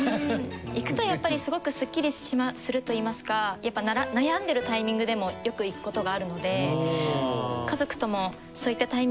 行くとやっぱりすごくすっきりすると言いますかやっぱ悩んでるタイミングでもよく行くことがあるので。